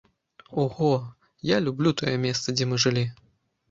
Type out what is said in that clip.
Ого, я люблю тое месца, дзе мы жылі.